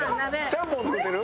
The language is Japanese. ちゃんぽん作ってる？